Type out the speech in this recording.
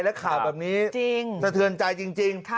และข่าวแบบนี้สะเทือนใจจริง